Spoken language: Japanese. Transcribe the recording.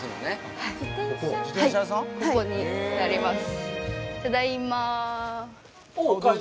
はいここになります